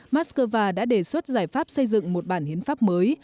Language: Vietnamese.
moscow đã đề xuất giải pháp xây dựng một bản hiến pháp mới